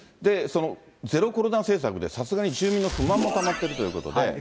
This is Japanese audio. そのゼロコロナ政策で、さすがに住民の不満もたまってるということで。